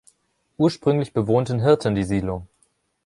Ursprünglich bewohnten Hirten die Siedlung.